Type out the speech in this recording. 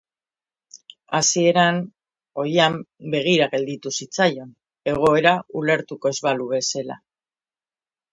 Hasieran, Oihan begira gelditu zitzaion, egoera ulertuko ez balu bezala.